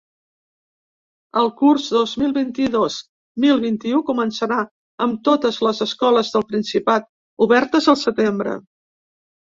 El curs dos mil vint-dos mil vint-i-u començarà amb totes les escoles del Principat obertes al setembre.